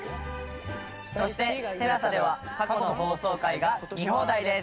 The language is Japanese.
そしてＴＥＬＡＳＡでは過去の放送回が見放題です。